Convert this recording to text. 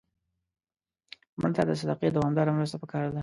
مړه ته د صدقې دوامداره مرسته پکار ده